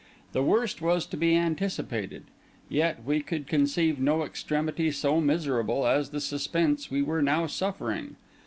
The worst was to be anticipated; yet we could conceive no extremity so miserable as the suspense we were now suffering.